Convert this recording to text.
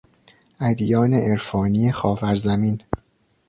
ادیان عرفانی خاور زمین